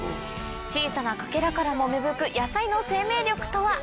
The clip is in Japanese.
小さなかけらからも芽吹く野菜の生命力とは？